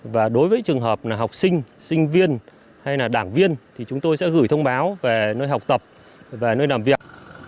và đối với trường hợp là học sinh sinh viên hay là đảng viên thì chúng tôi sẽ gửi thông báo về nơi học tập về nơi làm việc